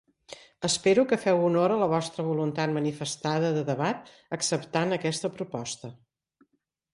Espero que feu honor a la vostra voluntat manifestada de debat acceptant aquesta proposta.